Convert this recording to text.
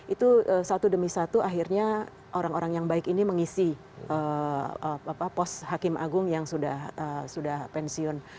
itu satu demi satu akhirnya orang orang yang baik ini mengisi pos hakim agung yang sudah pensiun